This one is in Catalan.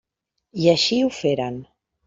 I així ho feren.